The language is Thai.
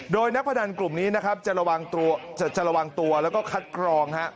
โดยนักพนันกลุ่มนี้นะครับจะระวังตัวแล้วก็คัดกรอง